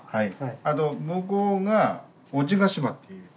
あと向こうが沖賀島っていう。